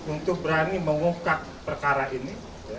untuk berani mengungkap perkara ini